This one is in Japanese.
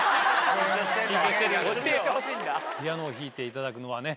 ピアノを弾いていただくのはね